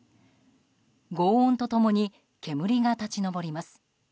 轟音と共に煙が立ち上ります。